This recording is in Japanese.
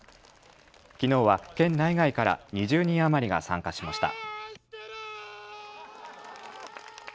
きのうは県内外から２０人余りが参加しました。